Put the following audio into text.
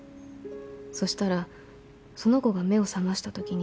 そしたらその子が目を覚ましたときに。